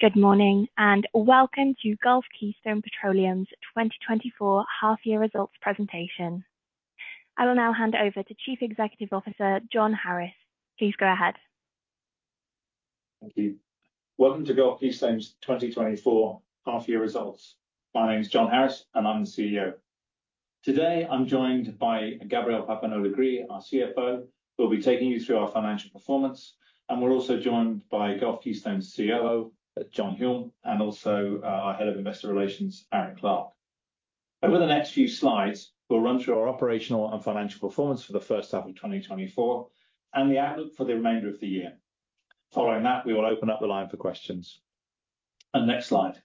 Good morning, and welcome to Gulf Keystone Petroleum's 2024 half-year results presentation. I will now hand over to Chief Executive Officer, Jon Harris. Please go ahead. Thank you. Welcome to Gulf Keystone's 2024 half-year results. My name is Jon Harris, and I'm the CEO. Today, I'm joined by Gabriel Papineau-Legris, our CFO, who will be taking you through our financial performance, and we're also joined by Gulf Keystone's COO, John Hulme, and also our Head of Investor Relations, Aaron Clark. Over the next few slides, we'll run through our operational and financial performance for the first half of 2024 and the outlook for the remainder of the year. Following that, we will open up the line for questions, and next slide.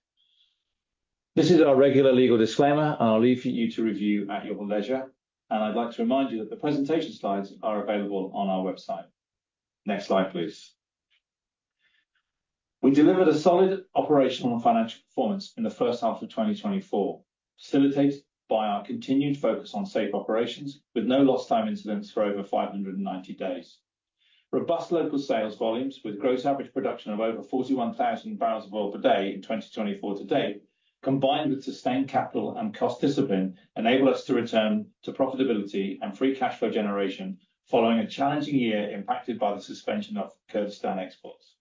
This is our regular legal disclaimer, and I'll leave for you to review at your leisure. And I'd like to remind you that the presentation slides are available on our website. Next slide, please. We delivered a solid operational and financial performance in the first half of 2024, facilitated by our continued focus on safe operations, with no lost time incidents for over 590 days. Robust local sales volumes, with gross average production of over 41,000 barrels of oil per day in 2024 to date, combined with sustained capital and cost discipline, enable us to return to profitability and free cash flow generation, following a challenging year impacted by the suspension of Kurdistan exports.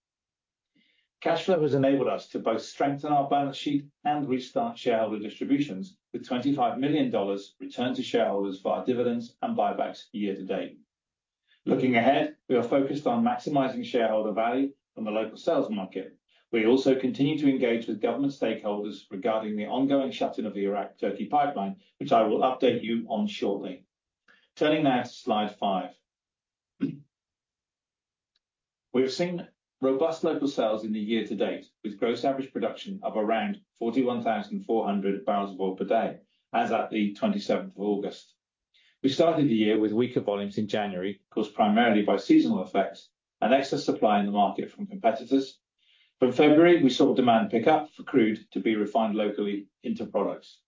Cash flow has enabled us to both strengthen our balance sheet and restart shareholder distributions, with $25 million returned to shareholders via dividends and buybacks year-to-date. Looking ahead, we are focused on maximizing shareholder value from the local sales market. We also continue to engage with government stakeholders regarding the ongoing shutdown of the Iraq-Turkey Pipeline, which I will update you on shortly. Turning now to slide five. We've seen robust local sales in the year-to-date, with gross average production of around 41,400 barrels of oil per day, as at the 27th of August. We started the year with weaker volumes in January, caused primarily by seasonal effects and excess supply in the market from competitors. From February, we saw demand pick up for crude to be refined locally into products.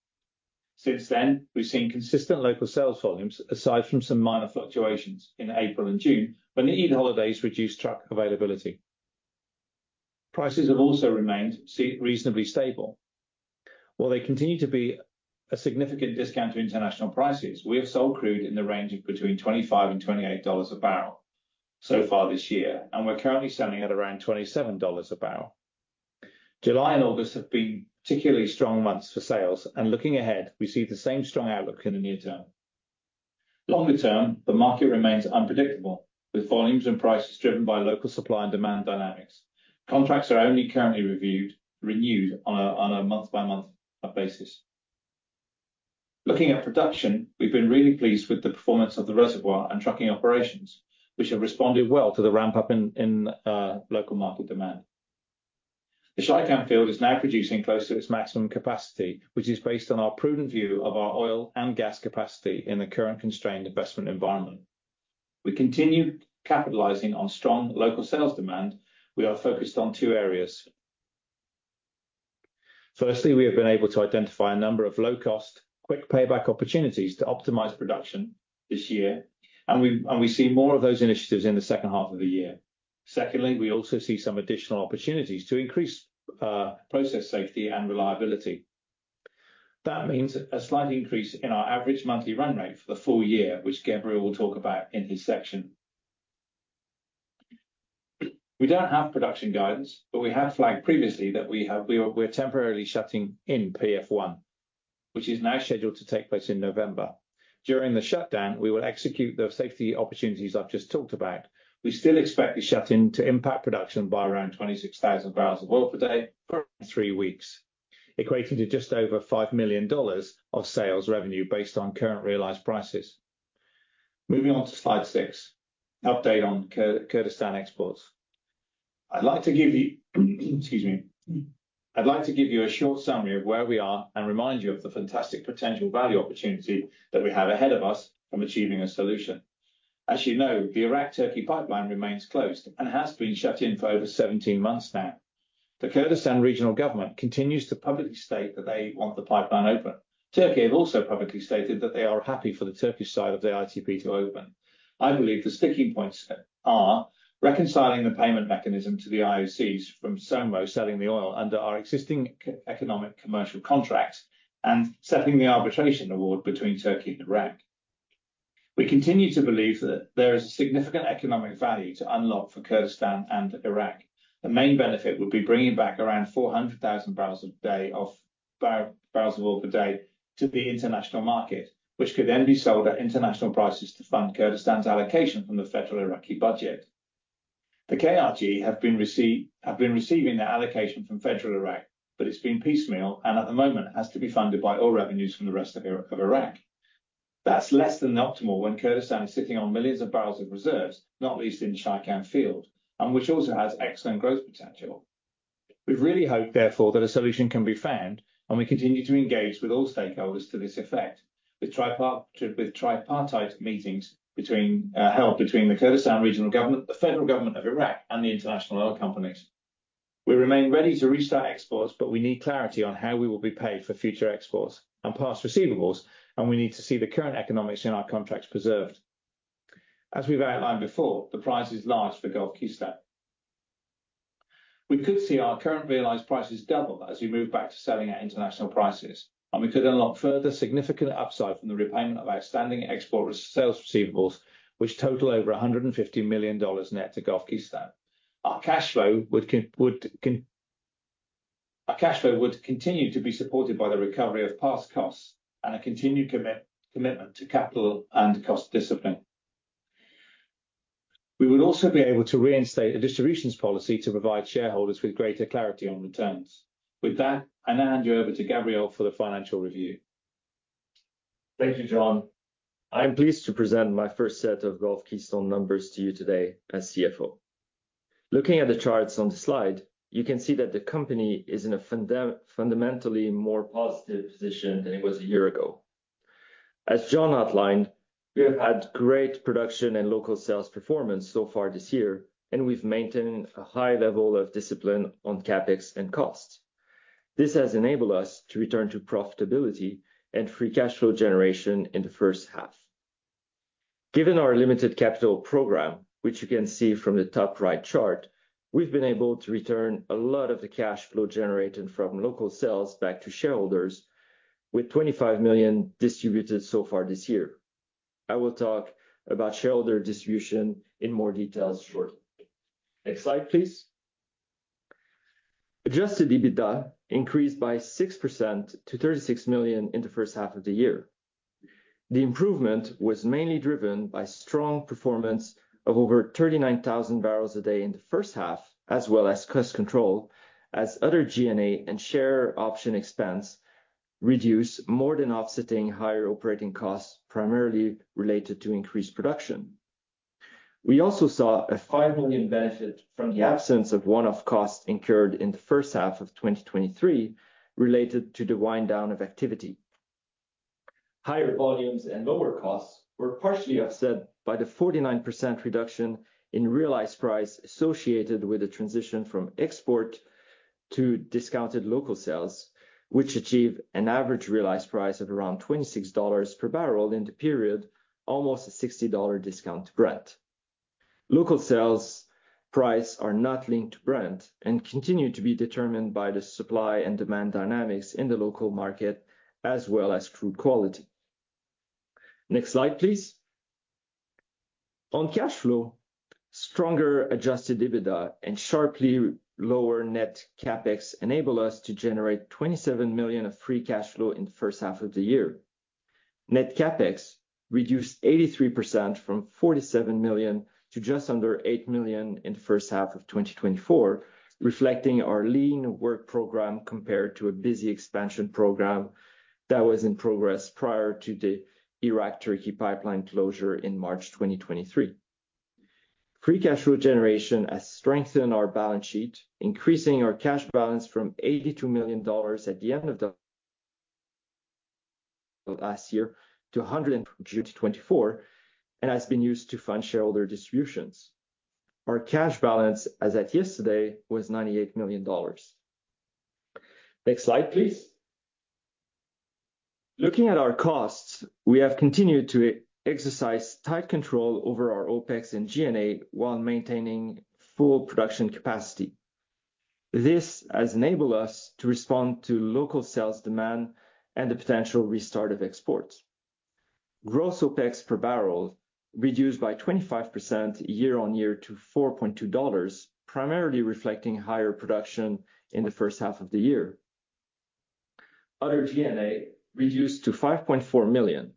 Since then, we've seen consistent local sales volumes, aside from some minor fluctuations in April and June, when the Eid holidays reduced truck availability. Prices have also remained reasonably stable. While they continue to be a significant discount to international prices, we have sold crude in the range of between $25 and $28 a barrel so far this year, and we're currently standing at around $27 a barrel. July and August have been particularly strong months for sales, and looking ahead, we see the same strong outlook in the near term. Longer term, the market remains unpredictable, with volumes and prices driven by local supply and demand dynamics. Contracts are only currently renewed on a month-by-month basis. Looking at production, we've been really pleased with the performance of the reservoir and trucking operations, which have responded well to the ramp-up in local market demand. The Shaikan Field is now producing close to its maximum capacity, which is based on our prudent view of our oil and gas capacity in the current constrained investment environment. We continue capitalizing on strong local sales demand. We are focused on two areas. Firstly, we have been able to identify a number of low-cost, quick payback opportunities to optimize production this year, and we see more of those initiatives in the second half of the year. Secondly, we also see some additional opportunities to increase process safety and reliability. That means a slight increase in our average monthly run rate for the full year, which Gabriel will talk about in his section. We don't have production guidance, but we have flagged previously that we're temporarily shutting in PF-1, which is now scheduled to take place in November. During the shutdown, we will execute the safety opportunities I've just talked about. We still expect the shutdown to impact production by around 26,000 barrels of oil per day for three weeks, equating to just over $5 million of sales revenue based on current realized prices. Moving on to slide six, update on Kurdistan exports. I'd like to give you... Excuse me. I'd like to give you a short summary of where we are and remind you of the fantastic potential value opportunity that we have ahead of us from achieving a solution. As you know, the Iraq-Turkey Pipeline remains closed and has been shut in for over 17 months now. The Kurdistan Regional Government continues to publicly state that they want the pipeline open. Turkey have also publicly stated that they are happy for the Turkish side of the ITP to open. I believe the sticking points are reconciling the payment mechanism to the IOCs from selling the oil under our existing economic commercial contracts and settling the arbitration award between Turkey and Iraq. We continue to believe that there is a significant economic value to unlock for Kurdistan and Iraq. The main benefit would be bringing back around 400,000 barrels a day of, barrels of oil per day to the international market, which could then be sold at international prices to fund Kurdistan's allocation from the federal Iraqi budget. The KRG have been receiving their allocation from federal Iraq, but it's been piecemeal, and at the moment, it has to be funded by oil revenues from the rest of Iraq. That's less than the optimal when Kurdistan is sitting on millions of barrels of reserves, not least in the Shaikan Field, and which also has excellent growth potential. We really hope, therefore, that a solution can be found, and we continue to engage with all stakeholders to this effect, with tripartite meetings held between the Kurdistan Regional Government, the Federal Government of Iraq, and the international oil companies. We remain ready to restart exports, but we need clarity on how we will be paid for future exports and past receivables, and we need to see the current economics in our contracts preserved, as we've outlined before. The prize is large for Gulf Keystone. We could see our current realized prices double as we move back to selling at international prices, and we could unlock further significant upside from the repayment of outstanding export sales receivables, which total over $150 million net to Gulf Keystone. Our cash flow would continue to be supported by the recovery of past costs and a continued commitment to capital and cost discipline. We would also be able to reinstate a distributions policy to provide shareholders with greater clarity on returns. With that, I'll now hand you over to Gabriel for the financial review. Thank you, Jon. I'm pleased to present my first set of Gulf Keystone numbers to you today as CFO. Looking at the charts on the slide, you can see that the company is in a fundamentally more positive position than it was a year ago. As Jon outlined, we have had great production and local sales performance so far this year, and we've maintained a high level of discipline on CapEx and costs. This has enabled us to return to profitability and free cash flow generation in the first half. Given our limited capital program, which you can see from the top right chart, we've been able to return a lot of the cash flow generated from local sales back to shareholders, with $25 million distributed so far this year. I will talk about shareholder distribution in more details shortly. Next slide, please. Adjusted EBITDA increased by 6% to $36 million in the first half of the year. The improvement was mainly driven by strong performance of over 39,000 barrels a day in the first half, as well as cost control, as other G&A and share option expense reduced, more than offsetting higher operating costs, primarily related to increased production. We also saw a $5 million benefit from the absence of one-off costs incurred in the first half of 2023 related to the wind down of activity. Higher volumes and lower costs were partially offset by the 49% reduction in realized price associated with the transition from export to discounted local sales, which achieved an average realized price of around $26 per barrel in the period, almost a $60 discount to Brent. Local sales prices are not linked to Brent and continue to be determined by the supply and demand dynamics in the local market, as well as crude quality. Next slide, please. On cash flow, stronger adjusted EBITDA and sharply lower net CapEx enable us to generate $27 million of free cash flow in the first half of the year. Net CapEx reduced 83% from $47 million to just under $8 million in the first half of 2024, reflecting our lean work program compared to a busy expansion program that was in progress prior to the Iraq-Turkey Pipeline closure in March 2023. Free cash flow generation has strengthened our balance sheet, increasing our cash balance from $82 million at the end of last year to $124 million, and has been used to fund shareholder distributions. Our cash balance, as at yesterday, was $98 million. Next slide, please. Looking at our costs, we have continued to exercise tight control over our OpEx and G&A while maintaining full production capacity. This has enabled us to respond to local sales demand and the potential restart of exports. Gross OpEx per barrel reduced by 25% year-on-year to $4.2, primarily reflecting higher production in the first half of the year. Other G&A reduced to $5.4 million.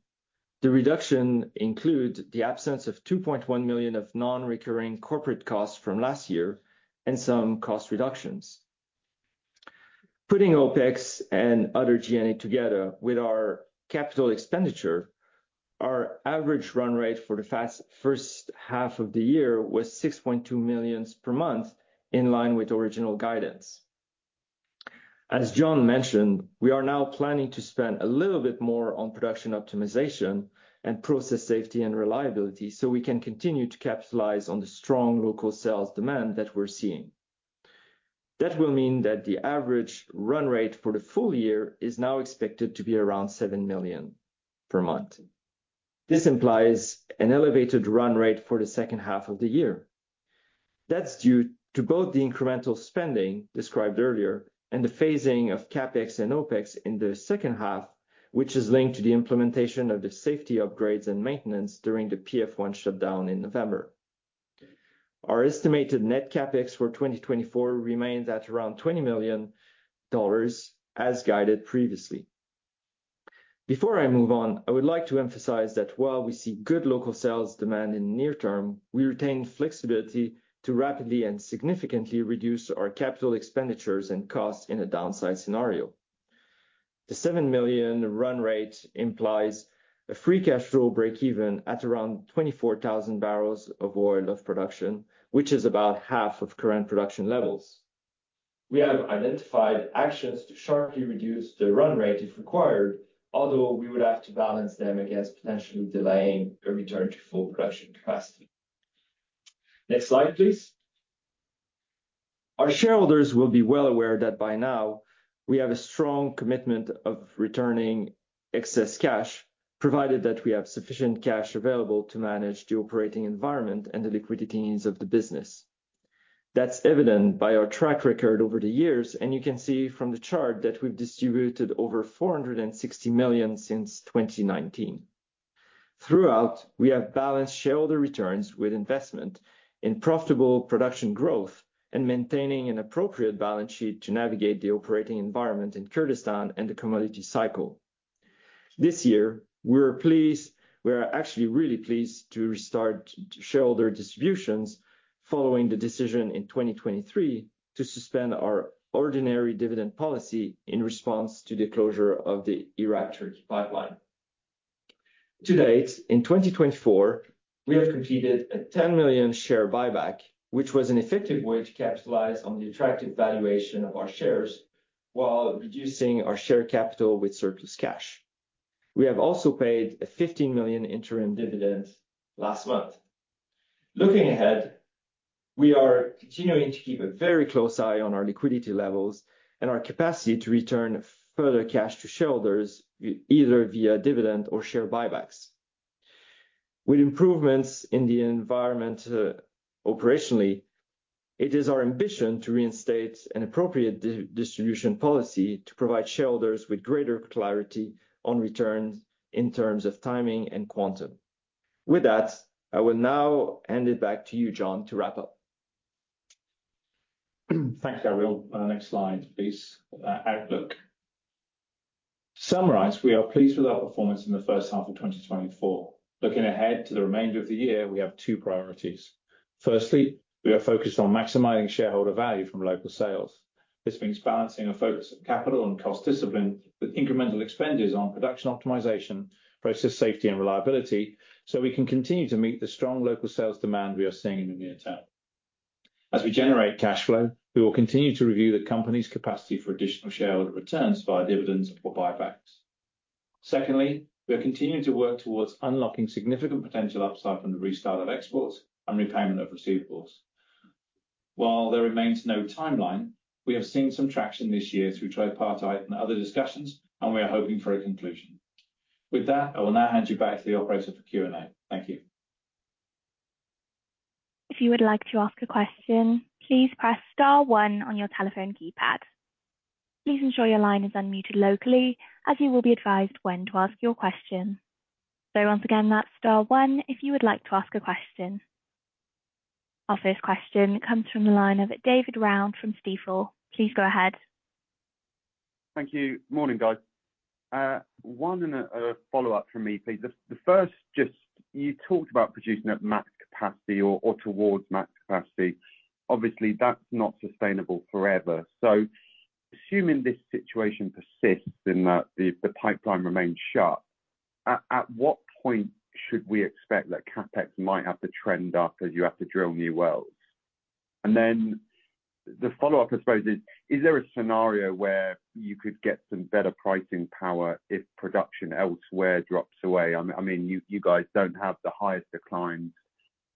The reduction includes the absence of $2.1 million of non-recurring corporate costs from last year and some cost reductions. Putting OpEx and other G&A together with our capital expenditure, our average run rate for the first half of the year was $6.2 million per month, in line with original guidance. As Jon mentioned, we are now planning to spend a little bit more on production optimization and process safety and reliability, so we can continue to capitalize on the strong local sales demand that we're seeing. That will mean that the average run rate for the full year is now expected to be around $7 million per month. This implies an elevated run rate for the second half of the year. That's due to both the incremental spending described earlier and the phasing of CapEx and OpEx in the second half, which is linked to the implementation of the safety upgrades and maintenance during the PF-1 shutdown in November. Our estimated net CapEx for 2024 remains at around $20 million, as guided previously. Before I move on, I would like to emphasize that while we see good local sales demand in the near term, we retain flexibility to rapidly and significantly reduce our capital expenditures and costs in a downside scenario. The $7 million run rate implies a free cash flow breakeven at around 24,000 barrels of oil of production, which is about half of current production levels. We have identified actions to sharply reduce the run rate if required, although we would have to balance them against potentially delaying a return to full production capacity. Next slide, please. Our shareholders will be well aware that by now we have a strong commitment of returning excess cash, provided that we have sufficient cash available to manage the operating environment and the liquidity needs of the business. That's evident by our track record over the years, and you can see from the chart that we've distributed over $460 million since 2019. Throughout, we have balanced shareholder returns with investment in profitable production growth and maintaining an appropriate balance sheet to navigate the operating environment in Kurdistan and the commodity cycle. This year, we're pleased, we are actually really pleased to restart shareholder distributions following the decision in 2023 to suspend our ordinary dividend policy in response to the closure of the Iraq-Turkey Pipeline. To date, in 2024, we have completed a $10 million share buyback, which was an effective way to capitalize on the attractive valuation of our shares while reducing our share capital with surplus cash. We have also paid a $15 million interim dividend last month. Looking ahead, we are continuing to keep a very close eye on our liquidity levels and our capacity to return further cash to shareholders, either via dividend or share buybacks. With improvements in the environment, operationally, it is our ambition to reinstate an appropriate distribution policy to provide shareholders with greater clarity on returns in terms of timing and quantum. With that, I will now hand it back to you, Jon, to wrap up. Thanks, Gabriel. Next slide, please. Outlook. To summarize, we are pleased with our performance in the first half of 2024. Looking ahead to the remainder of the year, we have two priorities. Firstly, we are focused on maximizing shareholder value from local sales. This means balancing a focus of capital and cost discipline with incremental expenditures on production optimization, process safety and reliability, so we can continue to meet the strong local sales demand we are seeing in the near term. As we generate cash flow, we will continue to review the company's capacity for additional shareholder returns via dividends or buybacks. Secondly, we are continuing to work towards unlocking significant potential upside from the restart of exports and repayment of receivables. While there remains no timeline, we have seen some traction this year through tripartite and other discussions, and we are hoping for a conclusion. With that, I will now hand you back to the operator for Q&A. Thank you. If you would like to ask a question, please press star one on your telephone keypad. Please ensure your line is unmuted locally, as you will be advised when to ask your question. So once again, that's star one if you would like to ask a question. Our first question comes from the line of David Round from Stifel. Please go ahead. Thank you. Morning, guys. One and a follow-up from me, please. The first, just you talked about producing at max capacity or towards max capacity. Obviously, that's not sustainable forever. So assuming this situation persists and that the pipeline remains shut, at what point should we expect that CapEx might have to trend up, as you have to drill new wells? And then the follow-up, I suppose, is: Is there a scenario where you could get some better pricing power if production elsewhere drops away? I mean, you guys don't have the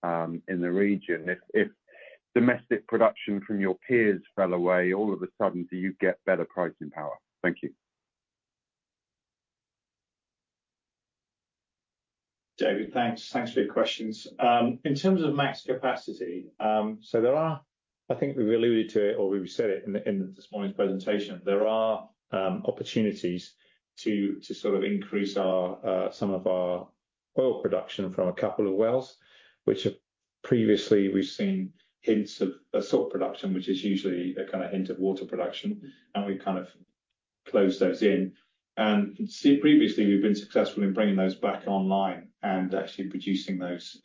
highest declines in the region. If domestic production from your peers fell away all of a sudden, do you get better pricing power? Thank you. David, thanks. Thanks for your questions. In terms of max capacity, so there are. I think we've alluded to it or we've said it in this morning's presentation. There are opportunities to sort of increase our some of our oil production from a couple of wells, which have previously we've seen hints of a salt production, which is usually a kind of hint of water production, and we've kind of closed those in. And see, previously, we've been successful in bringing those back online and actually producing those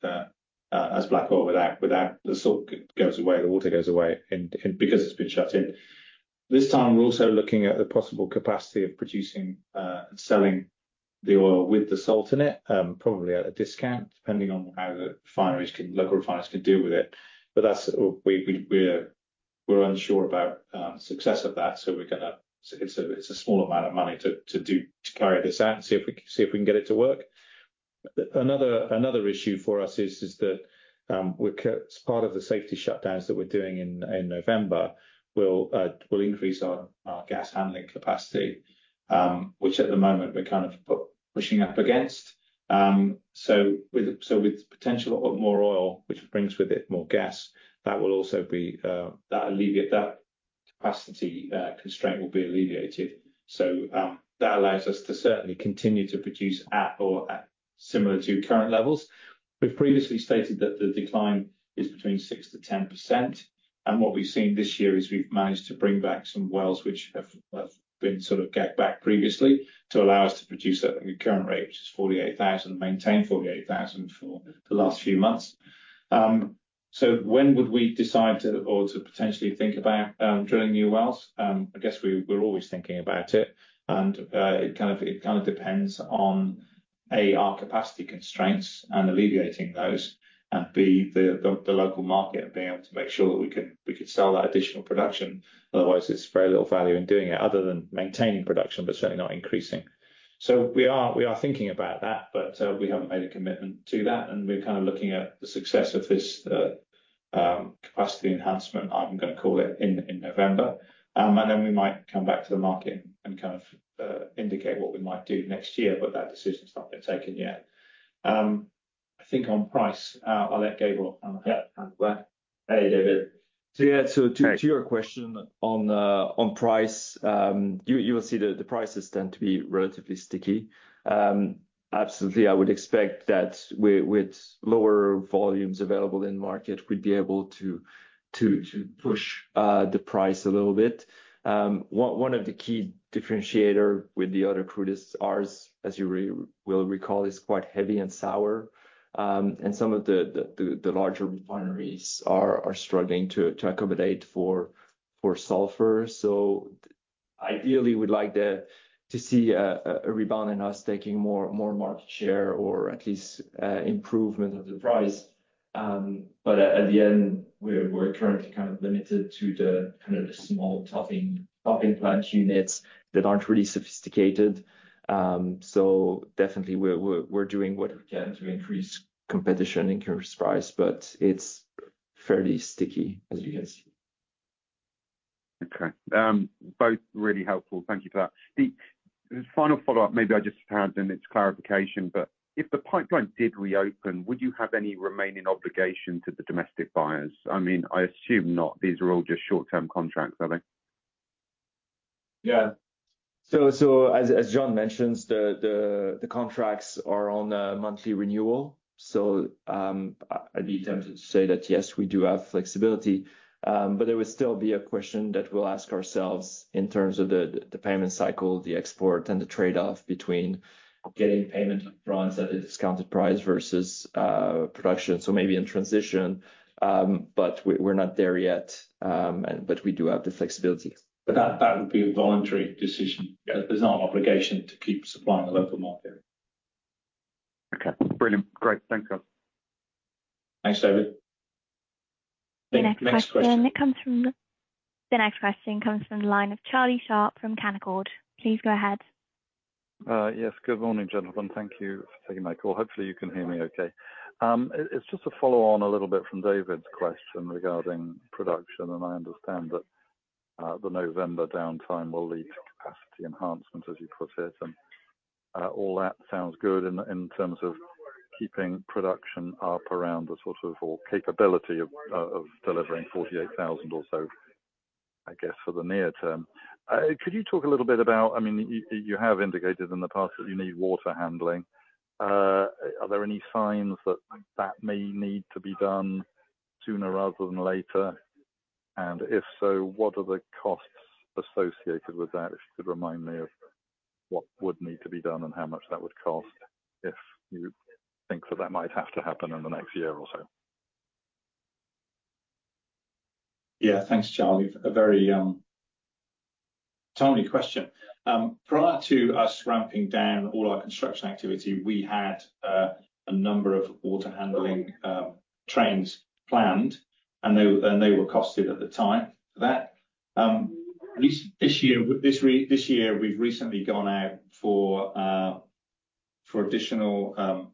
as black oil, without the salt goes away, the water goes away, and because it's been shut in. This time, we're also looking at the possible capacity of producing and selling the oil with the salt in it, probably at a discount, depending on how the local refineries can deal with it. But that's we we're unsure about success of that, so we're gonna it's a small amount of money to do to carry this out and see if we can get it to work. Another issue for us is that, as part of the safety shutdowns that we're doing in November, we'll increase our gas handling capacity, which at the moment, we're kind of pushing up against. So with potential a lot more oil, which brings with it more gas, that will also alleviate the capacity constraint. So that allows us to certainly continue to produce at or similar to current levels. We've previously stated that the decline is between 6% to 10%, and what we've seen this year is we've managed to bring back some wells, which have been sort of choked back previously, to allow us to produce at the current rate, which is 48,000, maintain 48,000 for the last few months. So when would we decide or potentially think about drilling new wells? I guess we're always thinking about it, and it kind of depends on, A, our capacity constraints and alleviating those, and B, the local market being able to make sure that we could sell that additional production. Otherwise, there's very little value in doing it, other than maintaining production, but certainly not increasing. So we are thinking about that, but we haven't made a commitment to that, and we're kind of looking at the success of this capacity enhancement, I'm gonna call it, in November. And then we might come back to the market and kind of indicate what we might do next year, but that decision's not been taken yet. I think on price, I'll let Gabriel handle that. Hey, David. So yeah, to. Hey.... to your question on price, you will see the prices tend to be relatively sticky. Absolutely, I would expect that with lower volumes available in the market, we'd be able to to push the price a little bit. One of the key differentiator with the other crudes, ours, as you will recall, is quite heavy and sour. And some of the larger refineries are struggling to accommodate for sulfur. So ideally, we'd like to see a rebound in us taking more market share or at least improvement of the price. But at the end, we're currently kind of limited to the kind of small topping plant units that aren't really sophisticated. So, definitely we're doing what we can to increase competition and increase price, but it's fairly sticky, as you can see. Okay. Both really helpful. Thank you for that. The final follow-up, maybe I just had, and it's clarification, but if the pipeline did reopen, would you have any remaining obligation to the domestic buyers? I mean, I assume not. These are all just short-term contracts, are they? Yeah. So as Jon mentioned, the contracts are on a monthly renewal. So I'd be tempted to say that, yes, we do have flexibility, but there would still be a question that we'll ask ourselves in terms of the payment cycle, the export, and the trade-off between getting payment up front at a discounted price versus production, so maybe in transition. But we're not there yet. And but we do have the flexibility. But that would be a voluntary decision. There's no obligation to keep supplying the local market. Okay, brilliant. Great. Thank you. Thanks, David. The next question- Next question. The next question comes from the line of Charlie Sharp from Canaccord. Please go ahead. Yes. Good morning, gentlemen. Thank you for taking my call. Hopefully, you can hear me okay. It's just a follow-on, a little bit from David's question regarding production, and I understand that the November downtime will lead to capacity enhancement, as you put it. And all that sounds good in terms of keeping production up around the sort of or capability of delivering 48,000 or so, I guess, for the near term. Could you talk a little bit about. I mean, you have indicated in the past that you need water handling. Are there any signs that that may need to be done sooner rather than later? And if so, what are the costs associated with that? If you could remind me of what would need to be done and how much that would cost, if you think that that might have to happen in the next year or so? Yeah. Thanks, Charlie. A very timely question. Prior to us ramping down all our construction activity, we had a number of water handling trains planned, and they were costed at the time for that. This year, we've recently gone out for additional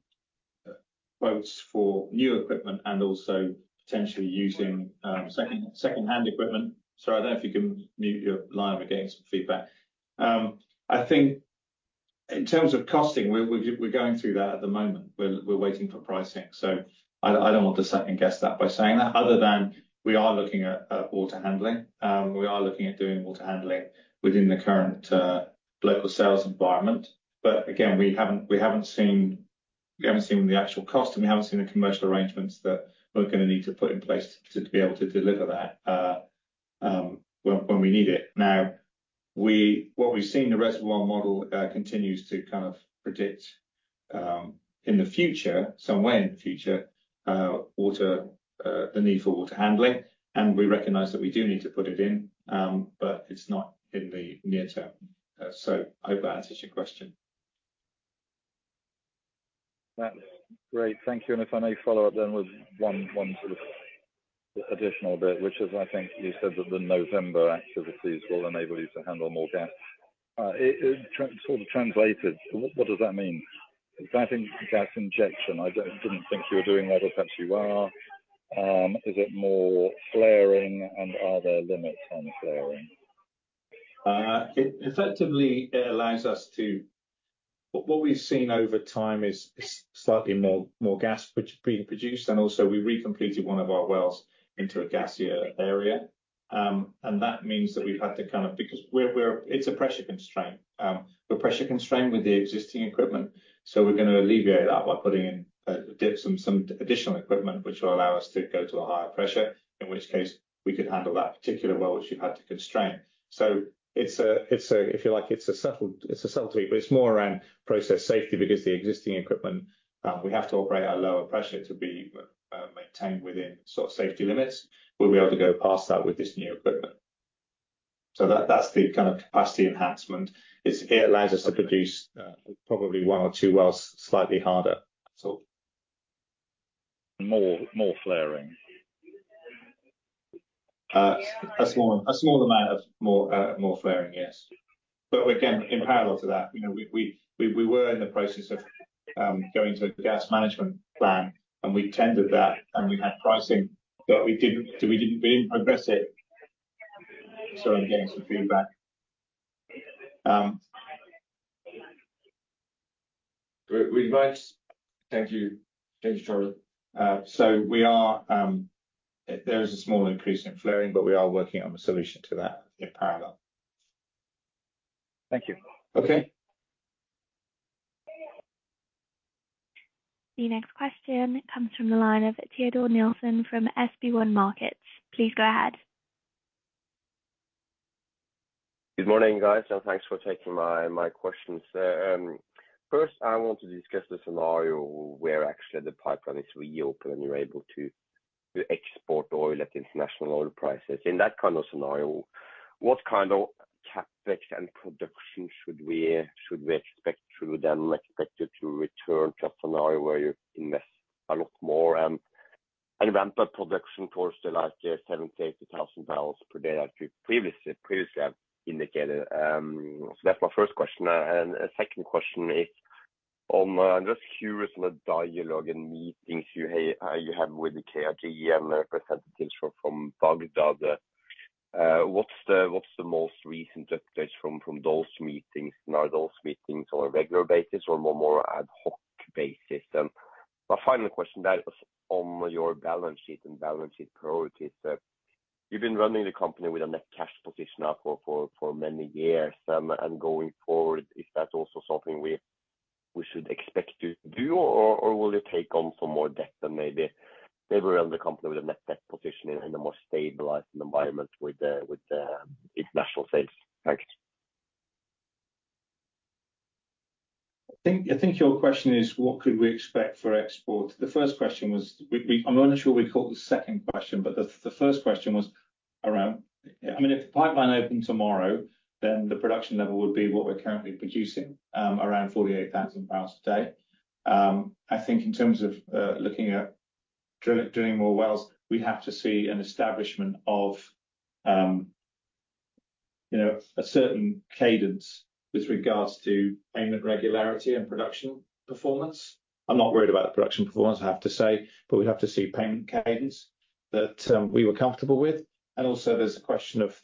quotes for new equipment and also potentially using second-hand equipment. Sorry, I don't know if you can mute your line. We're getting some feedback. I think in terms of costing, we're going through that at the moment. We're waiting for pricing. So I don't want to second-guess that by saying that, other than we are looking at water handling. We are looking at doing water handling within the current local sales environment. But again, we haven't seen the actual cost, and we haven't seen the commercial arrangements that we're gonna need to put in place to be able to deliver that when we need it. Now what we've seen, the reservoir model continues to kind of predict in the future, somewhere in the future, the need for water handling, and we recognize that we do need to put it in, but it's not in the near term. So I hope that answers your question. That's great. Thank you. And if I may follow up then with one sort of additional bit, which is, I think you said that the November activities will enable you to handle more gas. It sort of translated, what does that mean? Is that in gas injection? I didn't think you were doing that, but perhaps you are. Is it more flaring, and are there limits on flaring? It effectively allows us to. What we've seen over time is slightly more gas, which is being produced, and also we recompleted one of our wells into a gassier area. And that means that we've had to, kind of, because we're. It's a pressure constraint. We're pressure constrained with the existing equipment, so we're gonna alleviate that by putting in some additional equipment, which will allow us to go to a higher pressure, in which case, we could handle that particular well, which you've had to constrain. So it's a, if you like, it's a subtlety, but it's more around process safety, because the existing equipment, we have to operate at a lower pressure to be maintained within sort of safety limits. We'll be able to go past that with this new equipment. That, that's the kind of capacity enhancement. It allows us to produce, probably one or two wells slightly harder, so. More, more flaring?... a small amount of more flaring, yes. But again, in parallel to that, you know, we were in the process of going to a gas management plan, and we tendered that, and we had pricing, but we didn't progress it. Sorry, I'm getting some feedback. We'd like-- Thank you. Thank you, Charlie. So we are, there is a small increase in flaring, but we are working on a solution to that in parallel. Thank you. Okay. The next question comes from the line of Teodor Sveen-Nilsen from SB1 Markets. Please go ahead. Good morning, guys, and thanks for taking my questions. First, I want to discuss the scenario where actually the pipeline is reopened, and you're able to export oil at international oil prices. In that kind of scenario, what kind of CapEx and production should we expect you then expected to return to a scenario where you invest a lot more and ramp up production towards the, like, 70,000-80,000 barrels per day, as you previously have indicated? So that's my first question. And a second question is on, I'm just curious on the dialogue and meetings you had with the KRG and the representatives from Baghdad. What's the most recent update from those meetings? And are those meetings on a regular basis or more ad hoc basis? My final question that is on your balance sheet and balance sheet priorities. You've been running the company with a net cash position now for many years. Going forward, is that also something we should expect you to do, or will you take on some more debt and maybe run the company with a net debt position in a more stabilized environment with the international sales? Thanks. I think your question is, what could we expect for export? The first question was, I'm not sure we caught the second question, but the first question was around... I mean, if the pipeline opened tomorrow, then the production level would be what we're currently producing, around 48,000 barrels a day. I think in terms of, looking at doing more wells, we'd have to see an establishment of, you know, a certain cadence with regards to payment regularity and production performance. I'm not worried about the production performance, I have to say, but we'd have to see payment cadence that, we were comfortable with. There's also a question of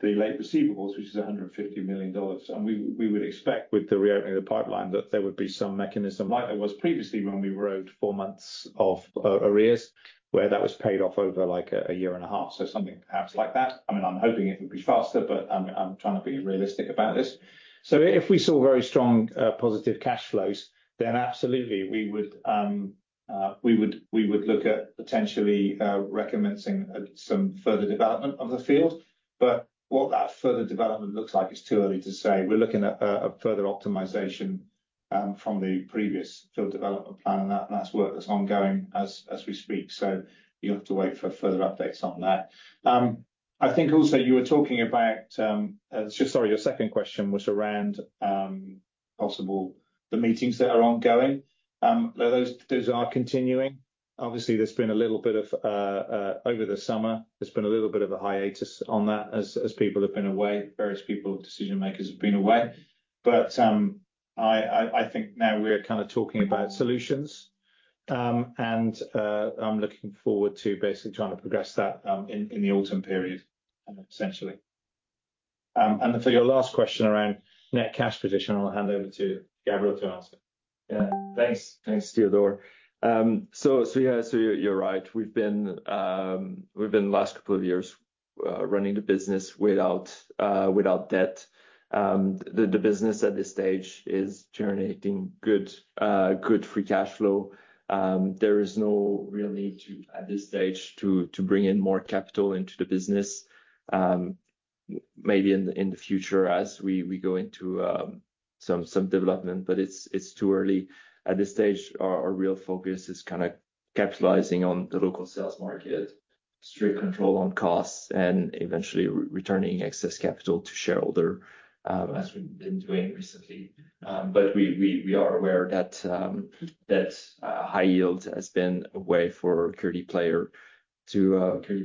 the late receivables, which is $150 million, and we would expect with the reopening of the pipeline, that there would be some mechanism, like there was previously when we were owed four months of arrears, where that was paid off over, like, a year and a half. So something perhaps like that. I mean, I'm hoping it would be faster, but I'm trying to be realistic about this. So if we saw very strong positive cash flows, then absolutely, we would look at potentially recommencing some further development of the field. But what that further development looks like, it's too early to say. We're looking at a further optimization from the previous field development plan, and that's work that's ongoing as we speak, so you'll have to wait for further updates on that. I think also you were talking about, sorry, your second question was around possible the meetings that are ongoing. Those are continuing. Obviously, there's been a little bit of a hiatus over the summer as people have been away. Various people, decision-makers have been away. But I think now we're kind of talking about solutions. And I'm looking forward to basically trying to progress that in the autumn period, essentially. And for your last question around net cash position, I'll hand over to Gabriel to answer. Yeah. Thanks. Thanks, Teodor. So, yeah, so you're right. We've been the last couple of years running the business without debt. The business at this stage is generating good free cash flow. There is no real need to, at this stage, to bring in more capital into the business. Maybe in the future, as we go into some development, but it's too early. At this stage, our real focus is kinda capitalizing on the local sales market, strict control on costs, and eventually returning excess capital to shareholders, as we've been doing recently. But we are aware that high yield has been a way for junior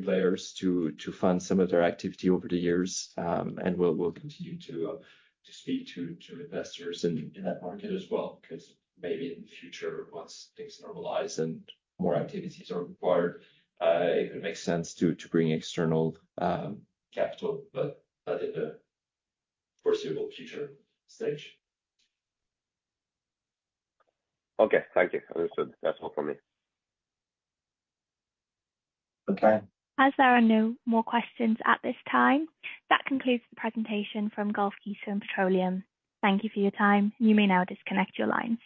players to fund some of their activity over the years. And we'll continue to speak to investors in that market as well, 'cause maybe in the future, once things normalize and more activities are required, it would make sense to bring external capital, but in the foreseeable future stage. Okay. Thank you. Understood. That's all for me. Okay. As there are no more questions at this time, that concludes the presentation from Gulf Keystone Petroleum. Thank you for your time. You may now disconnect your line.